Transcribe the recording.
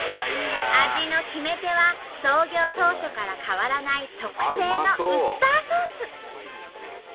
味の決め手は創業当初から変わらない特製のウスターソース。